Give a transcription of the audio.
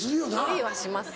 無理はします